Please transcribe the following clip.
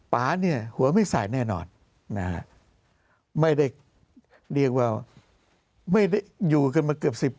ป๊าเนี่ยหัวไม่ใส่แน่นอนนะฮะไม่ได้เรียกว่าไม่ได้อยู่กันมาเกือบ๑๐ปี